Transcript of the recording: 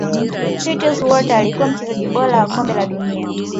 fritz walter alikuwa mchezaji bora wa kombe la dunia